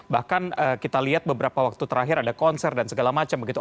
bahkan kita lihat beberapa waktu terakhir ada konser dan segala macam begitu